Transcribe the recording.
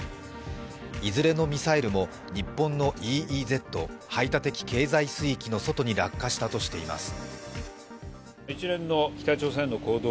いずれのミサイルも日本のＥＥＺ＝排他的経済水域の外に落下したとしています。